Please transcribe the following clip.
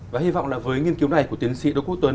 và hy vọng là với nghiên cứu này của tiến sĩ đỗ quốc tuấn